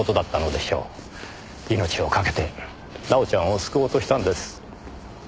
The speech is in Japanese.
命をかけて奈緒ちゃんを救おうとしたんです。